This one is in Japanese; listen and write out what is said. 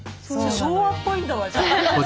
昭和っぽいんだわじゃ。